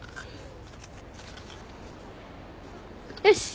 よし！